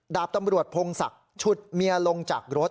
ดาบตำรวจพงศักดิ์ฉุดเมียลงจากรถ